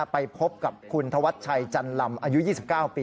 ไปพบกับคุณธวัชชัยจันลำอายุ๒๙ปี